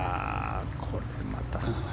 これまた。